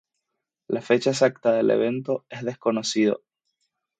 La fecha exacta del evento es desconocido.